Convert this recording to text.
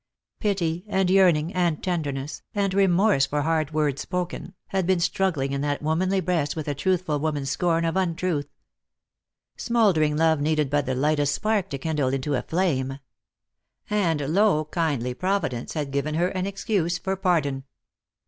Pity, and yearning, and tenderness, and remorse for hard words spoken, had been struggling in that "Lost for Love. 335 womanly breast with a truthful woman's scorn ot nntruth. Smouldering love needed but the lightest spark to kindle into a flame; and, lo, kindly Providence had given her an excuse for pardon.